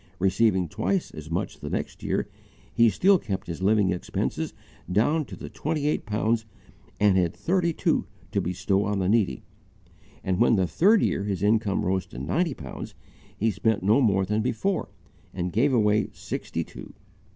Receiving twice as much the next year, he still kept his living expenses down to the twenty eight pounds and had thirty two to bestow on the needy; and when the third year his income rose to ninety pounds, he spent no more than before and gave away sixty two.